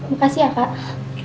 makasih ya pak